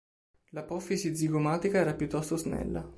L'apofisi zigomatica era piuttosto snella.